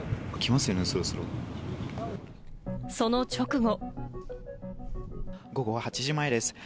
その直後。